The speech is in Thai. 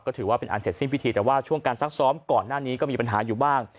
ก็ถือว่าเป็นอันเสร็จสิ้นพิธีแต่ว่าช่วงการซักซ้อมก่อนหน้านี้ก็มีปัญหาอยู่บ้าง